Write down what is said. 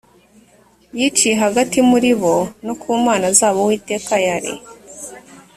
yiciye hagati muri bo no ku mana zabo uwiteka yari